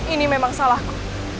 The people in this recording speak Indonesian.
ini memang salahku